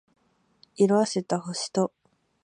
色褪せた星と